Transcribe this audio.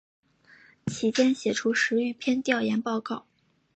其间写出十余篇调研报告。